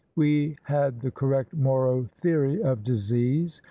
We had the correct Moro theory of disease.